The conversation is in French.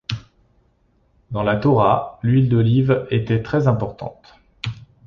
Dans la Torah, l’huile d’olive était très importante.